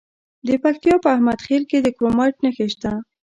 د پکتیا په احمد خیل کې د کرومایټ نښې شته.